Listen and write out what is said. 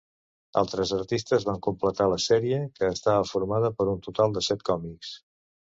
Altres artistes van completar la sèrie, que estava formada per un total de set còmics.